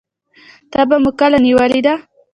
تبه مو کله نیولې ده؟